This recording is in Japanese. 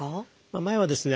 前はですね